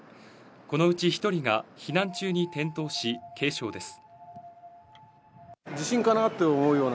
このうち１人が避難中に転倒し、軽傷です。